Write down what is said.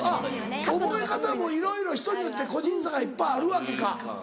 覚え方もいろいろ人によって個人差がいっぱいあるわけか。